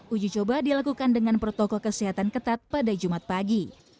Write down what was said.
uji coba dilakukan dengan protokol kesehatan ketat pada jumat pagi